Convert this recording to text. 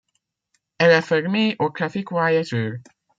Elle est fermée au trafic voyageurs.